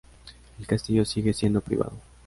El castillo sigue siendo privado.